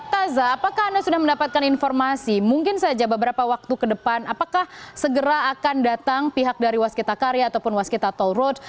taza apakah anda sudah mendapatkan informasi mungkin saja beberapa waktu ke depan apakah segera akan datang pihak dari waskita karya ataupun waskita toll road